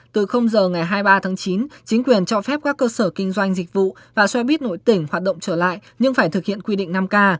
từ giờ ngày hai mươi ba chín chính quyền cho phép các cơ sở kinh doanh dịch vụ và xoay bít nội tỉnh hoạt động trở lại nhưng phải thực hiện quy định năm ca